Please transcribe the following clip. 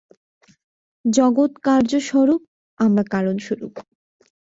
জগৎ কার্য-স্বরূপ, আমরা কারণ-স্বরূপ।